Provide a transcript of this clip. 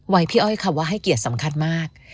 พี่อ้อยคำว่าให้เกียรติสำคัญมาก